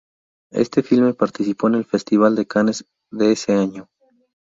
Este filme participó en el Festival de Cannes de ese año.